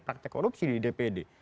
praktek korupsi di dpd